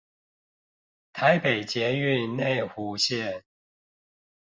臺北捷運內湖線